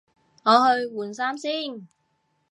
我去換衫先